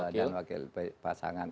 dan wakil pasangan